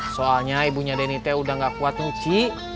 soalnya ibunya denite udah gak kuat nyuci